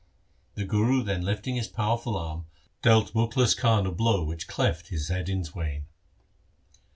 The Guru then lifting his powerful arm dealt Mukhlis Khan a blow which cleft his head in twain.